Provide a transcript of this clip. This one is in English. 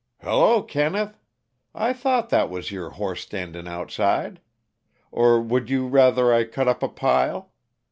"Hello, Kenneth I thought that was your horse standin' outside. Or would you rather I cut up a pile?